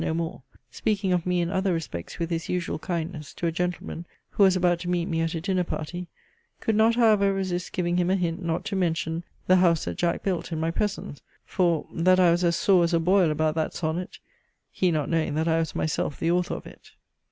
no more) speaking of me in other respects with his usual kindness, to a gentleman, who was about to meet me at a dinner party, could not however resist giving him a hint not to mention 'The house that Jack built' in my presence, for "that I was as sore as a boil about that sonnet;" he not knowing that I was myself the author of it.